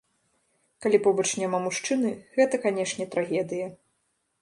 Калі побач няма мужчыны, гэта, канешне, трагедыя.